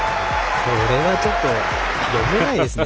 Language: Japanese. これはちょっと読めないですね。